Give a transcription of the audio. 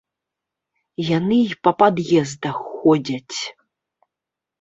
Яны і па пад'ездах ходзяць.